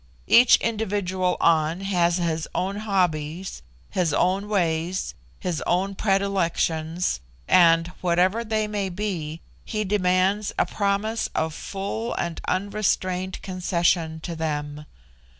Each individual An has his own hobbies, his own ways, his own predilections, and, whatever they may be, he demands a promise of full and unrestrained concession to them.